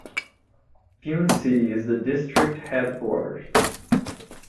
Pune city is the district headquarters.